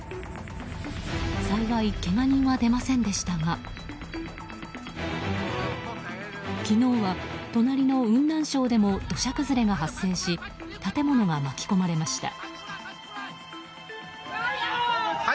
幸い、けが人は出ませんでしたが昨日は隣の雲南省でも土砂崩れが発生し建物が巻き込まれました。